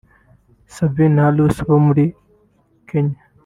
Sabina na Alusa bo muri Kenya